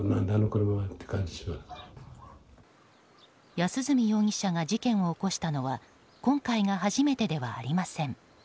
安栖容疑者が事件を起こしたのは今回が初めてではありません。